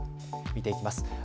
見ていきます。